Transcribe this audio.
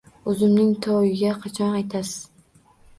Uzumning to‘yiga qachon aytasiz?!